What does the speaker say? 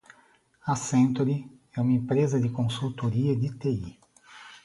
Accenture é uma empresa de consultoria de TI.